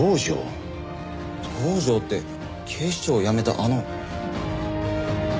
道上って警視庁を辞めたあの。